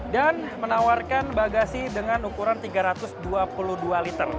dan menawarkan bagasi dengan ukuran tiga ratus dua puluh dua liter